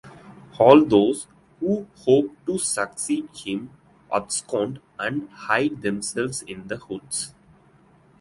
All those who hope to succeed him abscond and hide themselves in the woods.